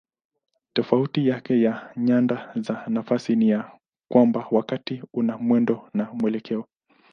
Tofauti yake na nyanda za nafasi ni ya kwamba wakati una mwendo na mwelekeo.